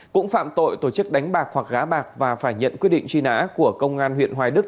cũng phạm tội tổ chức đánh bạc hoặc gá bạc và phải nhận quyết định truy nã của công an huyện hoài đức